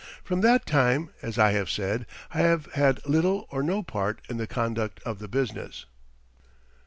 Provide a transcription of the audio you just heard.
From that time, as I have said, I have had little or no part in the conduct of the business.